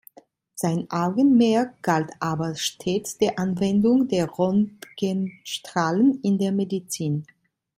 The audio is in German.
Sein Augenmerk galt aber stets der Anwendung der Röntgenstrahlen in der Medizin.